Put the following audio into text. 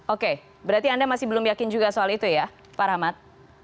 oke berarti anda masih belum yakin juga soal itu ya pak rahmat